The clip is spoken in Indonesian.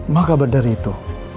maka berdari itu